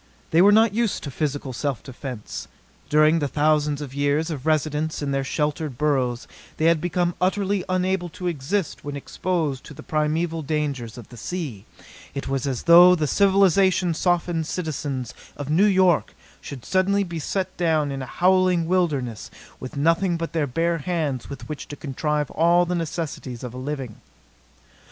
They were not used to physical self defense. During the thousands of years of residence in their sheltered burrows they had become utterly unable to exist when exposed to the primeval dangers of the sea. It was as though the civilization softened citizens of New York should suddenly be set down in a howling wilderness with nothing but their bare hands with which to contrive all the necessities of a living.